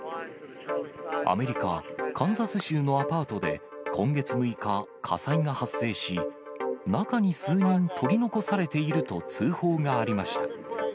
アメリカ・カンザス州のアパートで、今月６日、火災が発生し、中に数人取り残されていると通報がありました。